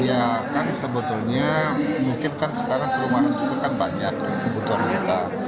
iya kan sebetulnya mungkin kan sekarang perumahan itu kan banyak kebutuhan mereka